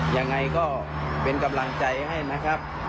ยังไงก็เป็นกำลังใจให้นะครับ